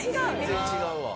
全然違うわ。